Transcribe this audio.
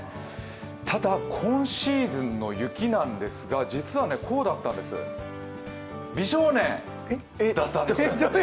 ただ、今シーズンの雪なんですが実はこうだったんです、「び少年」だったんです。